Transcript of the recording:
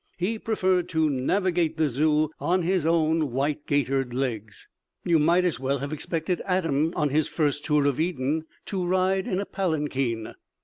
He preferred to navigate the Zoo on his own white gaitered legs. You might as well have expected Adam on his first tour of Eden to ride in a palanquin.